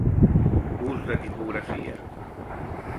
Ús de tipografia: